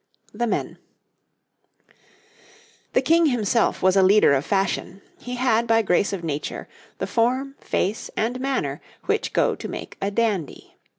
THE MEN The King himself was a leader of fashion; he had by grace of Nature the form, face, and manner which go to make a dandy.